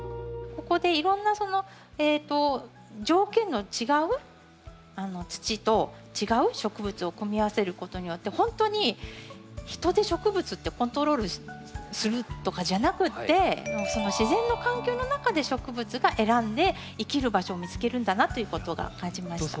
ここでいろんな条件の違う土と違う植物を組み合わせることによってほんとに人で植物ってコントロールするとかじゃなくてその自然の環境の中で植物が選んで生きる場所を見つけるんだなということが感じました。